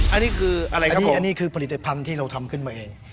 อันนี้คืออะไรครับพี่อันนี้คือผลิตภัณฑ์ที่เราทำขึ้นมาเอง